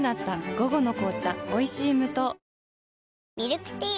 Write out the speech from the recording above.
午後の紅茶おいしい無糖ミルクティー